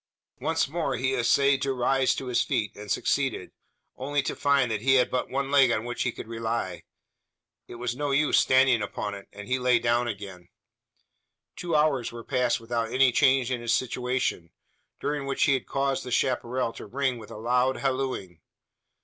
Once more he essayed to rise to his feet, and succeeded; only to find, that he had but one leg on which he could rely! It was no use, standing upon it; and he lay down again. Two hours were passed without any change in his situation; during which he had caused the chapparal to ring with a loud hallooing.